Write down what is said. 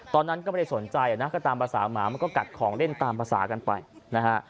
ตอนนั้นก็ไม่ได้สนใจนะก็ตามภาษาหมามันก็กัดของเล่นตามภาษากันไปนะฮะ